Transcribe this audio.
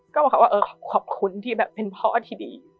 ก็บอกเขาว่าเออขอบคุณที่แบบเป็นพ่อที่ดี